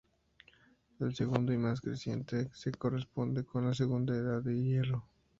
El segundo y más reciente, se corresponde con la segunda Edad del Hierro.